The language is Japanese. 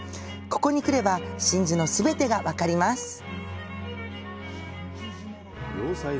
ここに来れば、真珠の全てが分かります。